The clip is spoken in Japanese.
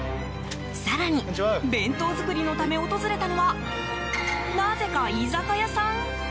更に、弁当作りのため訪れたのはなぜか居酒屋さん？